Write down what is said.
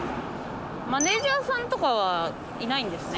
マネージャーさんとかはいないんですね。